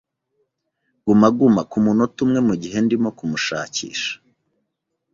Guma guma kumunota umwe mugihe ndimo kumushakisha.